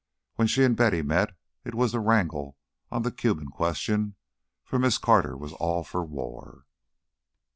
When she and Betty met, it was to wrangle on the Cuban question, for Miss Carter was all for war.